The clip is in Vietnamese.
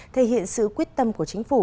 thể hiện sự quyết tâm của chính phủ